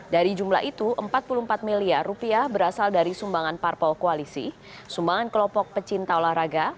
dari jumlah itu empat puluh empat miliar berasal dari sumbangan parpol koalisi sumbangan kelompok pecinta olahraga